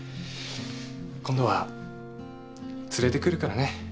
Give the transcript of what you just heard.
今度は連れてくるからね。